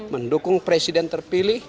mendukung presiden terpilih